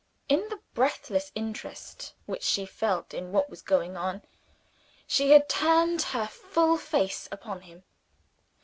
In the breathless interest which she felt in what was going on, she had turned her full face upon him.